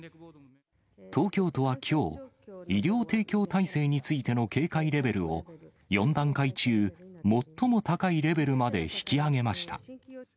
東京都はきょう、医療提供体制についての警戒レベルを、４段階中、最も高いレベルまで引き上げました。